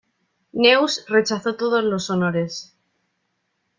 Neus rechazó todos los honores.